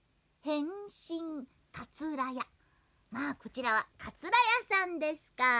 こちらはかつらやさんですか。